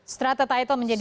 strata title menjadi